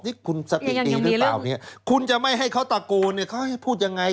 นี่คุณสะกิดดีหรือเปล่าคุณจะไม่ให้เขาตะโกนเขาให้พูดอย่างไร